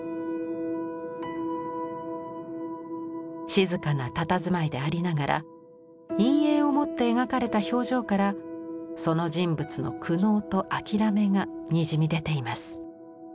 静かなたたずまいでありながら陰影を持って描かれた表情からその人物の苦悩と諦めがにじみ出ています。